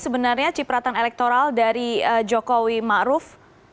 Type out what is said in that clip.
sebenarnya cipratan elektoral dari jokowi maruf